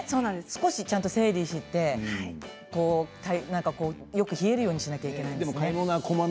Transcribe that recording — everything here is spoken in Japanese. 少し整理してよく冷えるようにしないといけないですね。